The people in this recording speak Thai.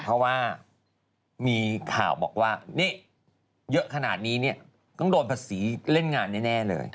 เพราะว่ามีข่าวบอกว่านี่เยอะขนาดนี้เนี่ยต้องโดนภาษีเล่นงานแน่เลย